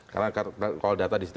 karena kalau data disitu